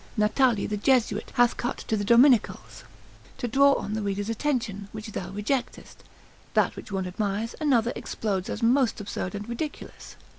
Natali the Jesuit hath cut to the Dominicals, to draw on the reader's attention, which thou rejectest; that which one admires, another explodes as most absurd and ridiculous.